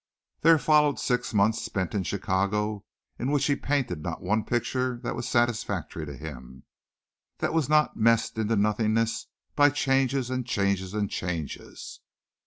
There followed six months spent in Chicago in which he painted not one picture that was satisfactory to him, that was not messed into nothingness by changes and changes and changes.